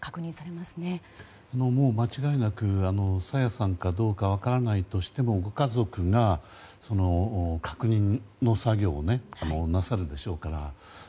間違いなく朝芽さんかどうか分からないとしてもご家族が確認の作業をなさるでしょうから。